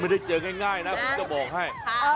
ไม่ได้เจอย่างง่ายนะก็บอกให้